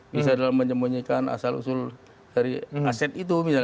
bisa dalam menyembunyikan asal usul dari aset itu misalnya